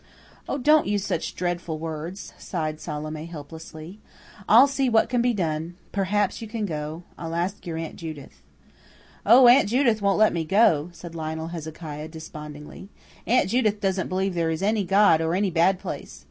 "Oh, don't use such dreadful words," sighed Salome helplessly. "I'll see what can be done. Perhaps you can go. I'll ask your Aunt Judith." "Oh, Aunt Judith won't let me go," said Lionel Hezekiah despondingly. "Aunt Judith doesn't believe there is any God or any bad place.